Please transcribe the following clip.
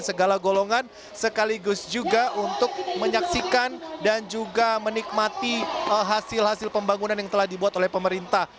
segala golongan sekaligus juga untuk menyaksikan dan juga menikmati hasil hasil pembangunan yang telah dibuat oleh pemerintah